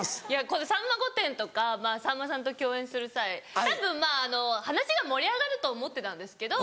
この『さんま御殿‼』とかまぁさんまさんと共演する際たぶんまぁあの話が盛り上がると思ってたんですけど。